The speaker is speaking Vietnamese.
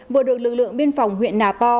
vừa được lực lượng biên phòng huyện nà po